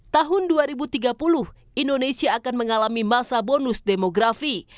tahun dua ribu tiga puluh indonesia akan mengalami masa bonus demografi